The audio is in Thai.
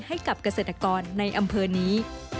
ให้กับเกษตรกรในอำเภอนี้